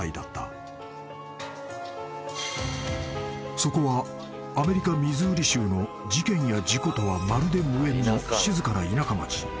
［そこはアメリカミズーリ州の事件や事故とはまるで無縁の］